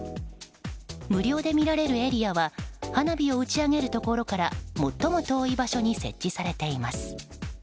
無料で見られるエリアは花火を打ち上げるところから最も遠い場所に設置されています。